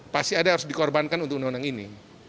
pasti ada yang harus dikorbankan untuk undang undang ini